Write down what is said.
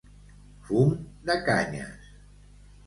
Fum de canyes.